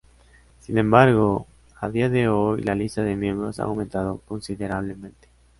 Sin embargo, a día de hoy la lista de miembros ha aumentado considerablemente.